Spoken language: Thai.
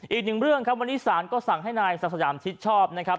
อีกหนึ่งเรื่องครับวันนี้ศาลก็สั่งให้นายศักดิ์สยามชิดชอบนะครับ